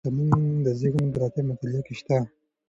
زموږ د ذهن پراختیا په مطالعه کې شته.